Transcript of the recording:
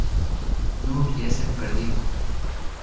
no hubiesen partidoc